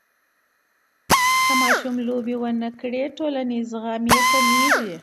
که ماشوم لوبې ونه کړي، ټولنیز زغم یې کمېږي.